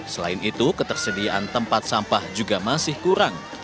selain itu ketersediaan tempat sampah juga masih kurang